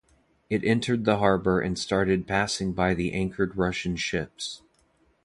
It entered the harbour and started passing by the anchored Russian ships.